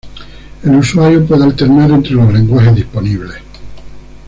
El usuario puede alternar entre los lenguajes disponibles.